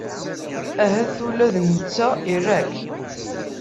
Ahat ula d netta ira-k.